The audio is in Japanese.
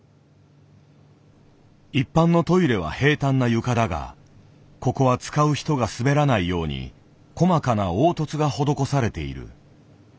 一般のトイレは平たんな床だがここは使う人が滑らないように細かな凹凸が施されている。